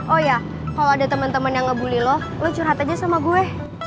oh ya kalau ada temen temen yang ngebully lo lo curhat aja sama gue